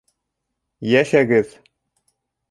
Йәшәгеҙ!